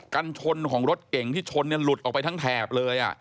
กันชนของรถเก่งที่ชนหลุดออกไปทั้งแถบเลย